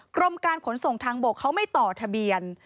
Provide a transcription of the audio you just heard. กรมการขนส่งทางบกเขาไม่ต่อทะเบียน